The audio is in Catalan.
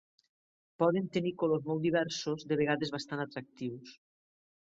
Poden tenir colors molt diversos, de vegades bastant atractius.